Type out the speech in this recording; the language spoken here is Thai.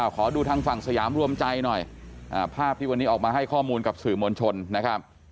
ขอดูทางฝั่งสยามรวมใจหน่อยภาพที่วันนี้ออกมาให้ข้อมูลกับสื่อมวลชนนะครับ